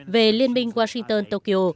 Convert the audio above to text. về liên minh washington tokyo